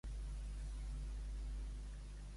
—Eres de fora o has vingut a festes?